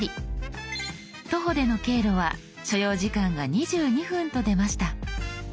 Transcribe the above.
徒歩での経路は所要時間が２２分と出ました。